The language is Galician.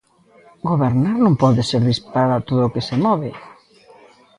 Gobernar non pode ser disparar a todo o que se move.